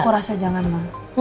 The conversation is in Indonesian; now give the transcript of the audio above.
aku rasa jangan ma